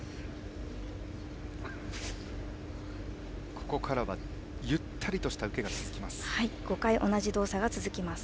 ここからはゆったりした受けが続きます。